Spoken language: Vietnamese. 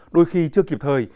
đôi khi chưa kịp thời